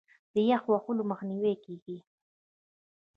د یخ وهلو مخنیوی کیږي.